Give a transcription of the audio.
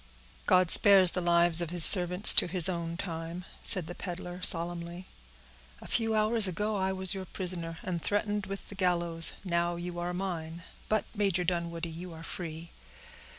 "God spares the lives of His servants to His own time," said the peddler, solemnly. "A few hours ago I was your prisoner, and threatened with the gallows; now you are mine; but, Major Dunwoodie, you are free.